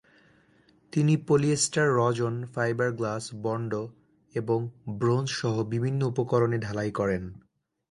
তিনি পলিয়েস্টার রজন, fibre glass, Bondo এবং ব্রোঞ্জ সহ বিভিন্ন উপকরণে ঢালাই করেন।